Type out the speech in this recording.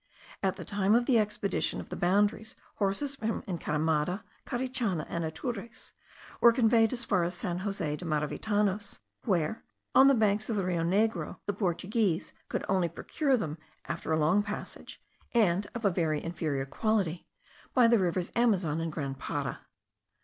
At the time of the expedition of the boundaries, horses from Encaramada, Carichana, and Atures, were conveyed as far as San Jose de Maravitanos, where, on the banks of the Rio Negro, the Portuguese could only procure them, after a long passage, and of a very inferior quality, by the rivers Amazon and Grand Para.